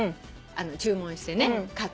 注文してね買って。